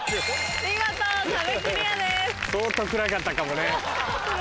見事壁クリアです。